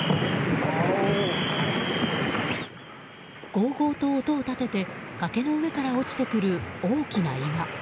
ごうごうと音を立てて崖の上から落ちてくる大きな岩。